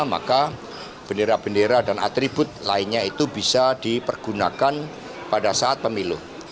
maka bendera bendera dan atribut lainnya itu bisa dipergunakan pada saat pemilu